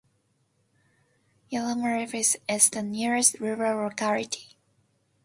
Yermolayevo is the nearest rural locality.